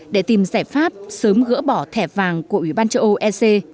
để tìm giải pháp sớm gỡ bỏ thẻ vàng của ủy ban châu âu ec